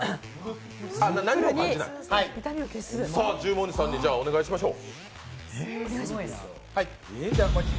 じゃあ十文字さんに、お願いしましょう。